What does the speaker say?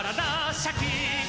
シャキッ！」